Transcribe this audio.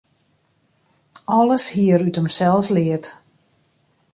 Alles hie er út himsels leard.